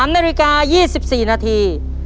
๓นาฬิกา๒๔นาที